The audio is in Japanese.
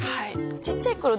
ちっちゃいころ